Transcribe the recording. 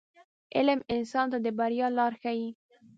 • علم انسان ته د بریا لار ښیي.